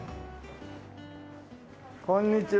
こんにちは。